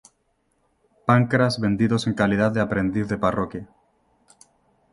Pancras vendidos en calidad de aprendiz de parroquia.